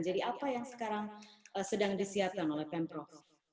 jadi apa yang sekarang sedang disiarkan oleh pemprov